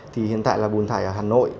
thì hiện tại là bùn thải ở hà nội